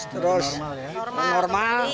normal ya normal